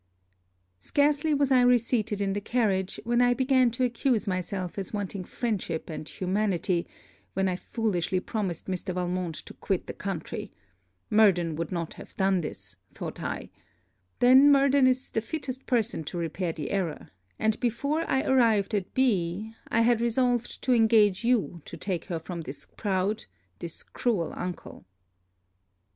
Scarcely was I reseated in the carriage, when I began to accuse myself as wanting friendship and humanity when I foolishly promised Mr. Valmont to quit the country; Murden would not have done this, thought I; then Murden is the fittest person to repair the error; and before I arrived at B , I had resolved to engage you to take her from this proud this cruel uncle.